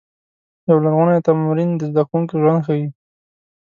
یو لرغونی تمرین د زده کوونکو ژوند ښيي.